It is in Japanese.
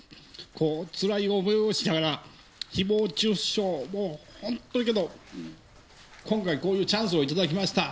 つらい思いをしながら、ひぼう中傷、もう本当あったけど、今回、こういうチャンスをいただきました。